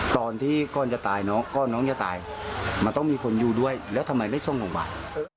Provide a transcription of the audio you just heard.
ตอนที่ก้อนจะตายน้องจะตายมันต้องมีคนอยู่ด้วยแล้วทำไมไม่ทรงของบ้าน